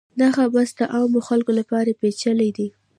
دغه بحث د عامو خلکو لپاره پیچلی دی.